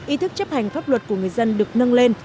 ý thức chấp hành pháp luật của người dân được nâng lên